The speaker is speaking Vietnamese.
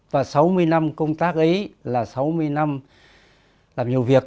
và sáu mươi năm công tác ấy là sáu mươi năm làm nhiều việc